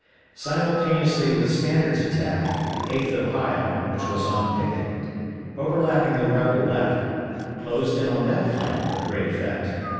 Simultaneously with Stannard's attack, the 8th Ohio, which was on picket, overlapping the rebel left, closed in on that flank with great effect.